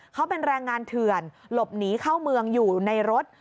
เขาเป็นแรงงานเถื่อนหลบหนีเข้าเมืองอยู่ในรถ